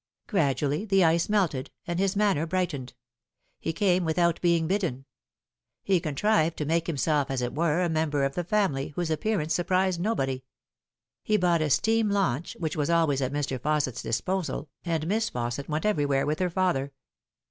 Gradually the ice melted, and his manner brightened. He came without being bidden. He contrived to make himself, as it were, a member of the family, whose appearance surprised nobody. He bought a steam launch, which was always at Mr. Fausset's disposal, and Miss Fausset went everywhere with her father.